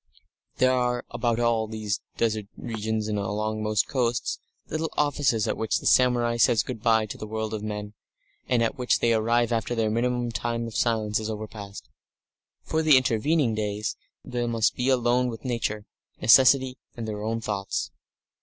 There are, about all these desert regions and along most coasts, little offices at which the samurai says good bye to the world of men, and at which they arrive after their minimum time of silence is overpast. For the intervening days they must be alone with Nature, necessity, and their own thoughts.